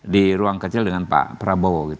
di ruang kecil dengan pak prabowo